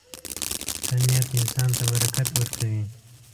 • ښه نیت انسان ته برکت ورکوي.